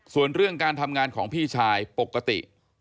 ส่วนเรื่องการทำงานของพี่ชายปกติ